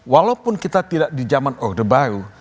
walaupun kita tidak di jaman order baru